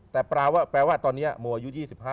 แต่แปลว่าตอนนี้โมอายุ๒๕